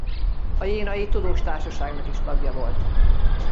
A jenai tudós társaságnak is tagja volt.